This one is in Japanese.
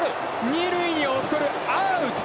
二塁に送る、アウト！